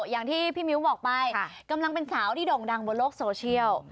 อย่างที่พี่มิ้วบอกไปกำลังเป็นสาวที่โด่งดังบนโลกโซเชียล